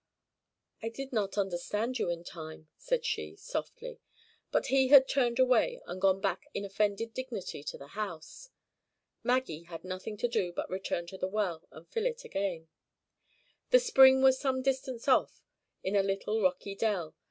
"I did not understand you in time," said she, softly. But he had turned away, and gone back in offended dignity to the house. Maggie had nothing to do but return to the well, and fill it again. The spring was some distance off, in a little rocky dell.